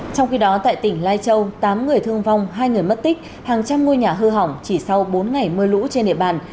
trong khi đó tại tỉnh lai châu tám người thương vong hai người mất tích hàng trăm ngôi nhà hư hỏng chỉ sau bốn ngày mưa lũ trên địa bàn